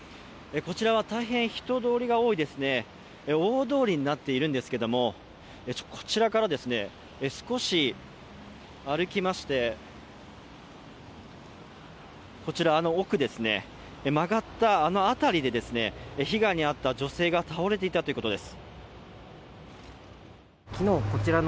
こちらは大変人通りが多い、大通りになっているんですけど、こちらから少し歩きまして、こちらの奥、曲がったあの辺りで被害に遭った女性が倒れていたということです。